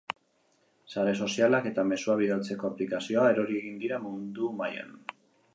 Sare sozialak eta mezuak bidaltzeko aplikazioa erori egin dira mundu mailan.